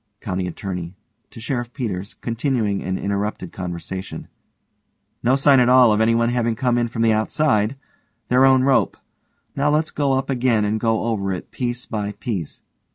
COUNTY ATTORNEY: (to SHERIFF PETERS, continuing an interrupted conversation) No sign at all of anyone having come from the outside. Their own rope. Now let's go up again and go over it piece by piece.